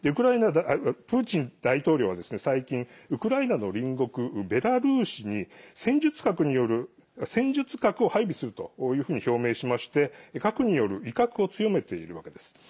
プーチン大統領は最近ウクライナの隣国、ベラルーシに戦術核を配備するというふうに表明しまして核による威嚇を強めているわけです。